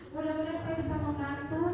terima kasih pak